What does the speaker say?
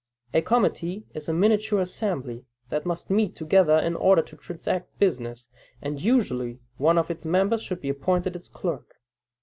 A committee is a miniature assembly that must meet together in order to transact business, and usually one of its members should be appointed its clerk.